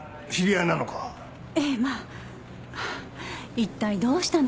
一体どうしたの？